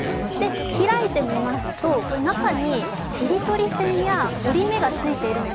開いてみますと、中に切り取り線や折り目が付いてるので、